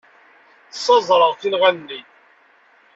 Ssaẓreɣ tinɣa-nni.